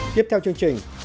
tiếp theo chương trình